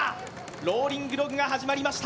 ローリングログが始まりました